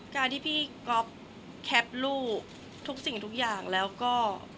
การที่พี่ก๊อฟแคปลูกทุกสิ่งทุกอย่างแล้วก็